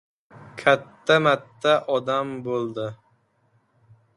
Katta-matta odam bo‘ldi.